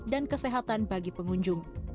dan kesehatan bagi pengunjung